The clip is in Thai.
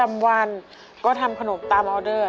มาเวลมันทำไม้ได้แล้ว